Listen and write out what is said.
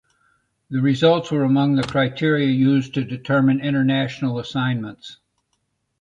The results were among the criteria used to determine international assignments.